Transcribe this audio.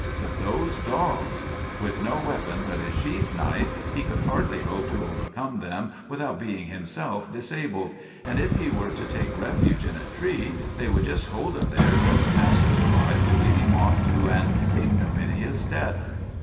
But those dogs! With no weapon but his sheath knife, he could hardly hope to overcome them without being himself disabled; and if he were to take refuge in a tree, they would just hold him there till their masters arrived to lead him off to an ignominious death.